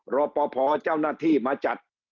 รอปภเจ้าหน้าที่มาจัด